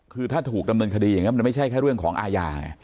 คือถ้าถูกดำเนินคดีอย่างนี้มันไม่ใช่แค่เรื่องของอาญาไง